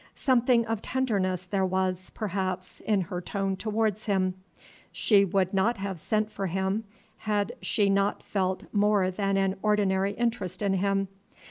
Something of tenderness there was, perhaps, in her tone towards him; she would not have sent for him, had she not felt more than an ordinary interest in him.